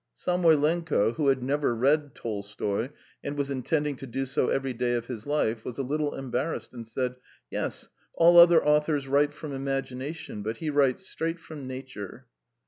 Samoylenko, who had never read Tolstoy and was intending to do so every day of his life, was a little embarrassed, and said: "Yes, all other authors write from imagination, but he writes straight from nature."